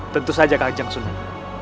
tentu saja kakak kajang sunan